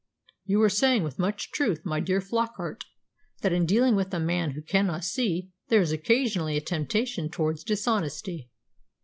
"You were saying with much truth, my dear Flockart, that in dealing with a man who cannot see there is occasionally a temptation towards dishonesty.